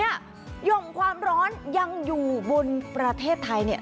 หย่อมความร้อนยังอยู่บนประเทศไทยเนี่ย